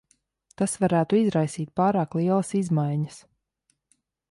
Tas varētu izraisīt pārāk lielas izmaiņas.